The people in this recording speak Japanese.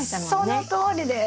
そのとおりです。